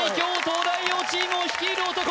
東大王チームを率いる男